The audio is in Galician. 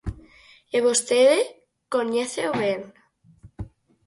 E vostede coñéceo ben.